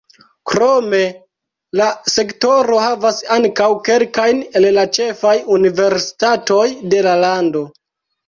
Krome la sektoro havas ankaŭ kelkajn el la ĉefaj universitatoj de la lando.